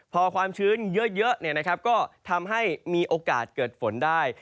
พอความชื้นเยอะก็ทำให้มีโอกาสเกิดฝนได้